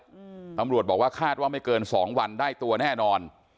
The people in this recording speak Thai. อืมตำรวจบอกว่าคาดว่าไม่เกินสองวันได้ตัวแน่นอน